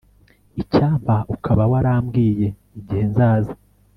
Icyampa ukaba warambwiye igihe nzaza